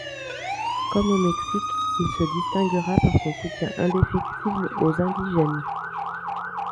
Comme au Mexique, il se distinguera par son soutien indéfectible aux indigènes.